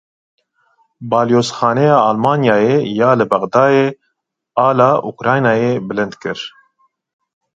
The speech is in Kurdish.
Balyozxaneya Almanyayê ya li Bexdayê ala Ukraynayê bilind kir.